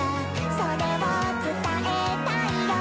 「それを伝えたいよ」